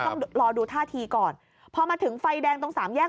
ต้องรอดูท่าทีก่อนพอมาถึงไฟแดงตรงสามแยก